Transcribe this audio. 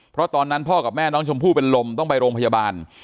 เพราะตอนนั้นพ่อกับแม่น้องชมพู่เป็นลมต้องไปโรงพยาบาล